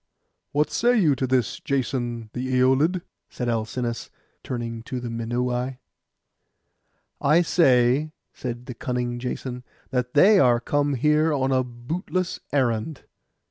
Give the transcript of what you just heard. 'What say you to this, Jason the Æolid?' said Alcinous, turning to the Minuai. 'I say,' said the cunning Jason, 'that they are come here on a bootless errand.